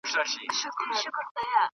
د توپانه ډکي وريځي .